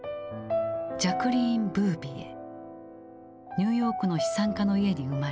ニューヨークの資産家の家に生まれ